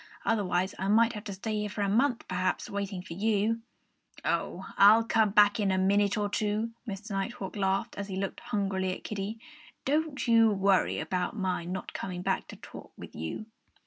Otherwise I might have to stay here for a month, perhaps, waiting for you." "Oh! I'll come back in a minute or two," Mr. Nighthawk laughed, as he looked hungrily at Kiddie. "Don't you worry about my not coming back to talk with you!"